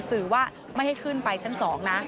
สื่อว่าไม่ให้ขึ้นไปชั้น๒นะ